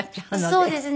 そうですね。